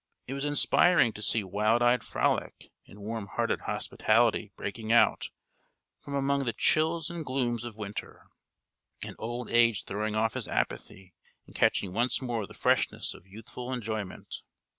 It was inspiring to see wild eyed frolic and warmhearted hospitality breaking out from among the chills and glooms of winter, and old age throwing off his apathy, and catching once more the freshness of youthful enjoyment.